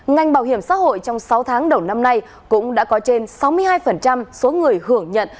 ngành bảo hiểm xã hội trong sáu tháng đầu năm nay cũng đã có trên sáu mươi hai số người hưởng nhận